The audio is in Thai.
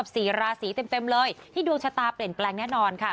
สี่ราศีเต็มเลยที่ดวงชะตาเปลี่ยนแปลงแน่นอนค่ะ